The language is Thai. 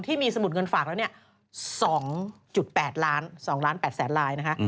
ที่มีสมุดเงินฝากแล้วเนี่ย๒๘ล้าน๒ล้าน๘แสนลายนะฮะ